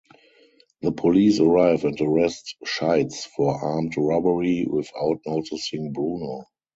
The police arrive and arrest Scheitz for armed robbery without noticing Bruno.